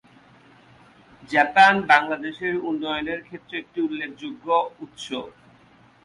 Japan বাংলাদেশের উন্নয়নের ক্ষেত্রে একটি উল্লেখযোগ্য উৎস।